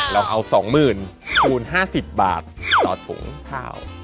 เราเอา๒๐๐๐คูณ๕๐บาทต่อถุงข้าว